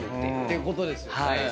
ていうことですよね。